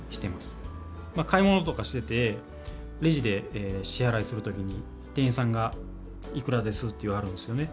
買い物とかしててレジで支払いする時に店員さんが「いくらです」って言わはるんですよね。